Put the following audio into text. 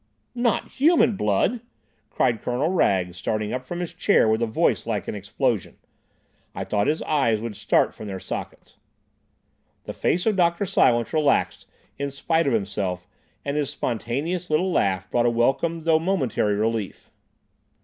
"Not human blood!" cried Colonel Wragge, starting up from his chair with a voice like an explosion. I thought his eyes would start from their sockets. The face of Dr. Silence relaxed in spite of himself, and his spontaneous little laugh brought a welcome though momentary relief.